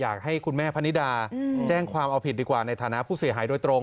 อยากให้คุณแม่พนิดาแจ้งความเอาผิดดีกว่าในฐานะผู้เสียหายโดยตรง